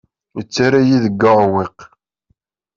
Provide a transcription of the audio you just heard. Yettarra-yi deg uɛewwiq.